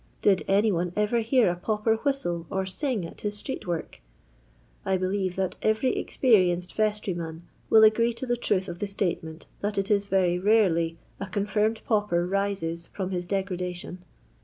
Bid any one ever hear a pauper whistle or ting at his street work 1 I believe that every experienced vestryman will agree to the truth of the statement that it is very rarely a confirmed pauper rises from his degradation.